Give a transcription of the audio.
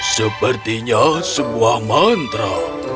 sepertinya sebuah mantra